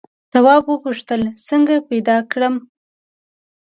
تواب وپوښتل څنګه پیدا کړم.